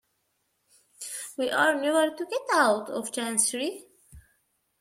We are never to get out of Chancery!